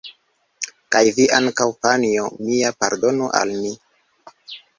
Kaj vi ankaŭ, panjo mia, pardonu al mi!